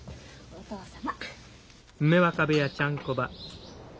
お義父様。